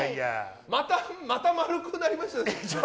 また丸くなりましたね。